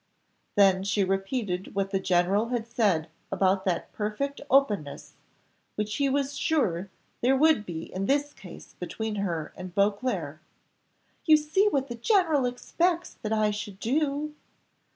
Then she repeated what the general had said about that perfect openness which he was sure there would be in this case between her and Beauclerc. "You see what the general expects that I should do."